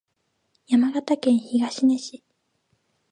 山形県東根市